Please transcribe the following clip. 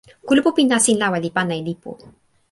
kulupu pi nasin lawa li pana e lipu.